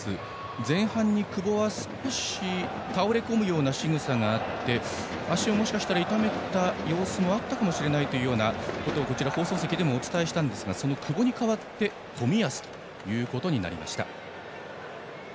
前半に久保は少し倒れ込むようなしぐさがあって足をもしかしたら痛めた様子もあったかもしれないということを放送席でもお伝えしたんですがその久保に代わって冨安となりました。